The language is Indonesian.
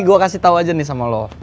gue kasih tau aja nih sama lo